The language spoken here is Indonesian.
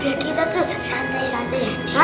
biar kita tuh santai santai